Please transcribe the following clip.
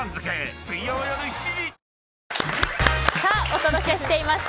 お届けしています。